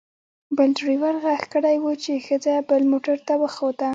بل ډریور غږ کړی و چې ښځه یې بل موټر ته وخوته.